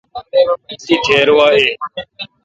تی تھیر وا این۔